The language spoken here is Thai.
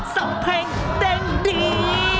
สำเพ็งเด้งดี